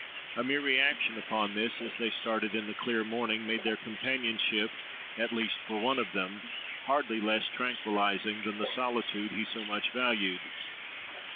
A mere reaction upon this, as they started in the clear morning, made their companionship, at least for one of them, hardly less tranquillising than the solitude he so much valued.